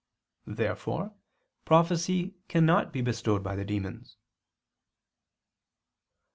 Therefore prophecy cannot be bestowed by the demons.